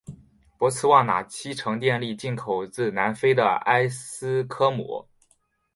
博茨瓦纳七成电力进口自南非的埃斯科姆。